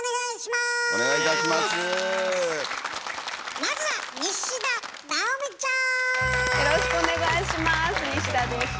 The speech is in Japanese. まずはよろしくお願いします西田です。